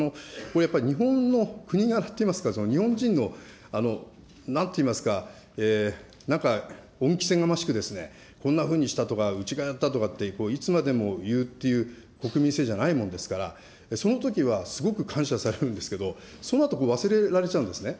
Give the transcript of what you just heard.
やっぱり日本の国柄と言いますか、日本人のなんて言いますか、なんか、恩着せがましく、こんなふうにしたとか、うちがやったとかって、いつまでも言うっていう国民性じゃないものですから、そのときはすごく感謝されるんですけれども、そのあと忘れられちゃうんですね。